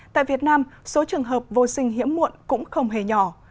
tại việt nam số trường hợp vô sinh hiếm muộn cũng không hề nhỏ